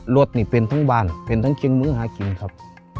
รถนี่เป็นทั้งบ้านเป็นทั้งกินมื้อหากินครับ